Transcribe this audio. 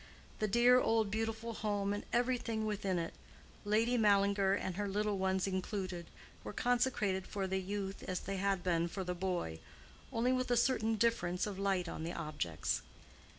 The dear old beautiful home and everything within it, Lady Mallinger and her little ones included, were consecrated for the youth as they had been for the boy—only with a certain difference of light on the objects.